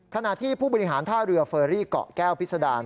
ขณะที่ผู้บริหารท่าเรือเฟอรี่เกาะแก้วพิษดาร